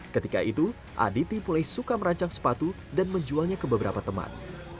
ketika itu aditi mulai suka merancang sepatu dan menjualnya ke beberapa teman